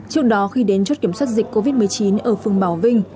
trước đó khi đến chốt kiểm soát dịch covid một mươi chín ở phường bảo vinh